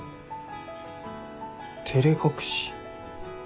照れ隠し？